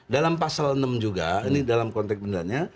dalam pasal enam juga ini dalam konteks bendanya